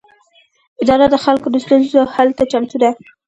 اداره د خلکو د ستونزو حل ته چمتو ده.